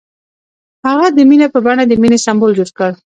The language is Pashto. هغه د مینه په بڼه د مینې سمبول جوړ کړ.